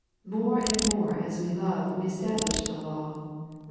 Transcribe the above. More and more as we love we establish the law (Kom.